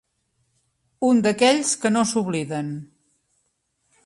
Un d'aquells que no s'obliden.